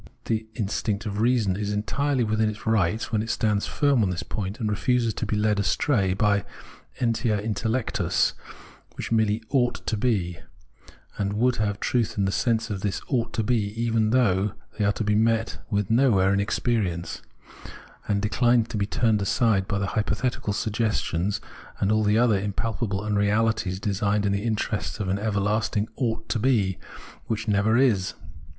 The instinct of reason is entirely within its rights when it stands firm on this point, and refuses to be led astray by entia intellectus which merely ought to be, and would have truth in the sense of this " ought to be," even though they are to be met with nowhere in experience ; and dechnes to be turned aside by the hypothetical sugges tions and all the other impalpable unreahties designed in the interest of an everlasting " ought to be " which never is.